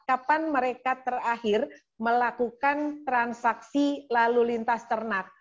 kapan mereka terakhir melakukan transaksi lalu lintas ternak